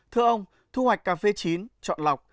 thưa ông thu hoạch cà phê chín chọn lọc